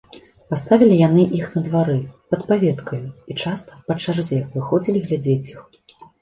Паставілі яны іх на двары, пад паветкаю, і часта, па чарзе, выходзілі глядзець іх.